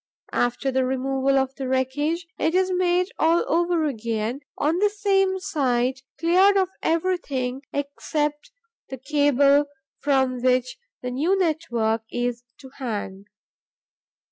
After the removal of the wreckage, it is made all over again, on the same site, cleared of everything except the cable from which the new network is to hang.